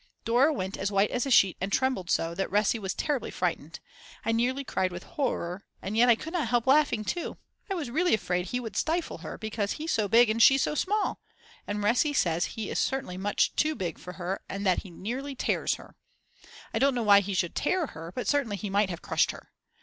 Dora went as white as a sheet and trembled so that Resi was terribly frightened. I nearly cried with horror, and yet I could not help laughing too. I was really afraid he would stifle her because he's so big and she's so small. And Resi says he is certainly much too big for her, and that he nearly tears her. I don't know why he should tear her but certainly he might have crushed her.